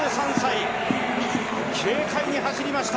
軽快に走りました。